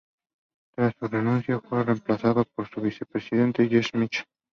Tras su renuncia, fue reemplazado por su vicepresidente, James Michel.